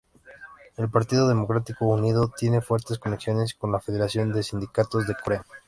El Partido Democrático Unido tiene fuertes conexiones con la Federación de Sindicatos de Corea.